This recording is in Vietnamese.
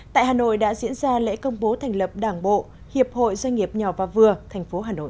tại hà nội đã diễn ra lễ công bố thành lập đảng bộ hiệp hội doanh nghiệp nhỏ và vừa thành phố hà nội